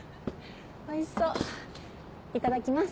おいしそういただきます。